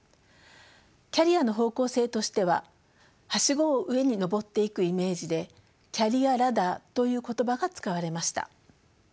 キャリアの方向性としてははしごを上に登っていくイメージでキャリア・ラダーという言葉が使われました。